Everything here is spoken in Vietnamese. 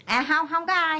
à không không có ai hết